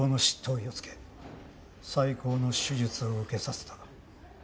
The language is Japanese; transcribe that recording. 医をつけ最高の手術を受けさせた。